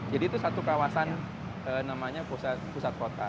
jadi itu satu kawasan namanya pusat kota